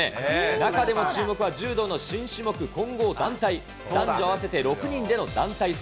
中でも注目は柔道の新種目、混合団体、男女合わせて６人での団体戦。